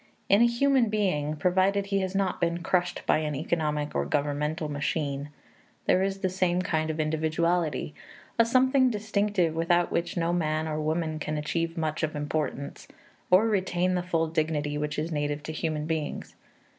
In a human being, provided he has not been crushed by an economic or governmental machine, there is the same kind of individuality, a something distinctive without which no man or woman can achieve much of importance, or retain the full dignity which is native to human beings.